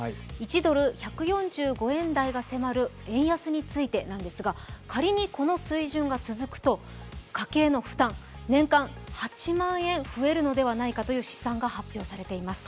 １ドル＝１４５円台が迫る円安についてなんですが仮にこの水準が続くと家計の負担、年間８万円増えるのではないかという試算が発表されています。